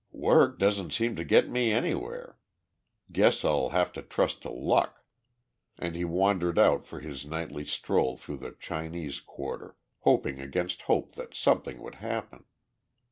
"Work doesn't seem to get me anywhere. Guess I'll have to trust to luck," and he wandered out for his nightly stroll through the Chinese quarter, hoping against hope that something would happen.